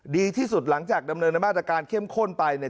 ดีที่สุดหลังจากดำเนินมาตรการเข้มข้นไปเนี่ย